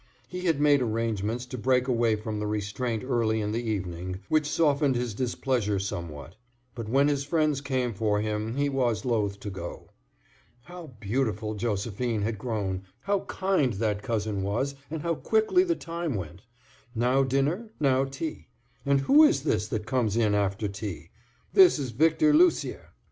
He had made arrangements to break away from the restraint early in the evening, which softened his displeasure somewhat; but when his friends came for him he was loath to go. How beautiful Josephine had grown, how kind that cousin was, and how quickly the time went,—now dinner, now tea; and who is this that comes in after tea? This is Victor Lucier.